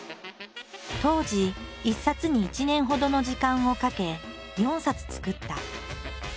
当時１冊に１年ほどの時間をかけ４冊作った。